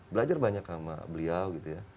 belajar banyak sama beliau